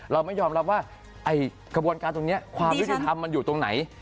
เราไม่ยอมรับว่าไอ้กระบวนการตรงนี้ความยุติธรรมมันอยู่ตรงไหน